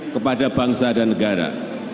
kepada bangsa dan negara